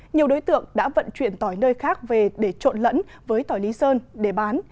nhiều đối tượng đã vận chuyển tỏi nơi khác về để trộn lẫn với tỏi lý sơn để bán